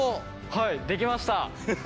はいできました。